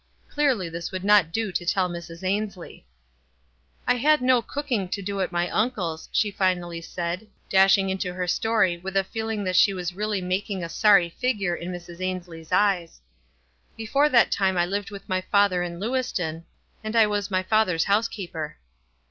Clearly this would not do to tell Mrs. Ainslie. "I had no cooking to do at my uncle's," she finally said, dashing into her story with a feel ing that she was really making a sorry figure in Mrs. Ainslie's eyes. "Before that time I lived with my father in Lewiston, and I was my father's housekeeper."